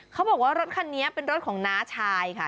เขาบอกว่ารถคันนี้เป็นรถของน้าชายค่ะ